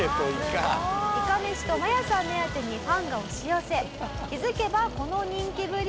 いかめしとマヤさん目当てにファンが押し寄せ気づけばこの人気ぶり。